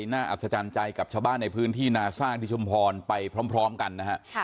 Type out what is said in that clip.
อัศจรรย์ใจกับชาวบ้านในพื้นที่นาสร้างที่ชุมพรไปพร้อมกันนะฮะ